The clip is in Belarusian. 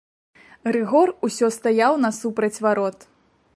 Рыгор усё стаяў насупраць варот.